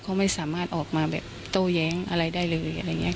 เขาไม่สามารถออกมาโตแย้งอะไรได้เลย